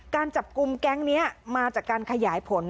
การจับกลุ่มแก๊งนี้มาจากการขยายผล